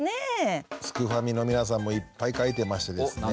すくファミの皆さんもいっぱい書いてましてですね。